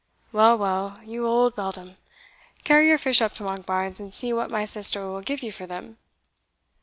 "Well, well, you old beldam, carry your fish up to Monkbarns, and see what my sister will give you for them."